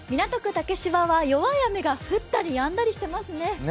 竹芝は弱い雨が降ったりやんだりしていますね。